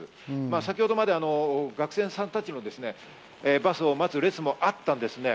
先程まで学生さんたちもバスを待つ列もあったんですね。